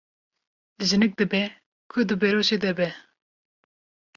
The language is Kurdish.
Jinik dibe ku di beroşê de be.